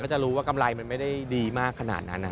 จะรู้ว่ากำไรมันไม่ได้ดีมากขนาดนั้น